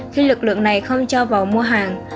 khi lực lượng này không cho vào mua hàng